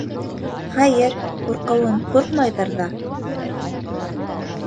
Хәйер, ҡурҡыуын ҡурҡмайҙыр ҙа.